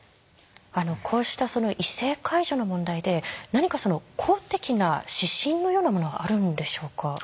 こうした異性介助の問題で何か公的な指針のようなものはあるんでしょうか？